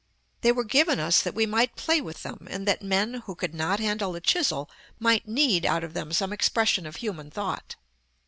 They were given us that we might play with them, and that men who could not handle a chisel, might knead out of them some expression of human thought.